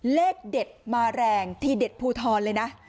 เลขเด็ดมาแรงทีเด็ดภูทรเลยนะ